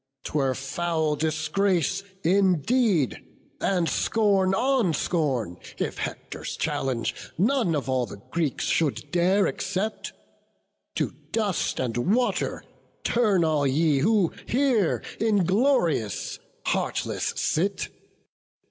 'Twere foul disgrace indeed, and scorn on scorn, If Hector's challenge none of all the Greeks Should dare accept; to dust and water turn All ye who here inglorious, heartless sit!